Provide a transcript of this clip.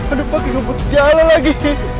aduh pak dia ngebut segala lagi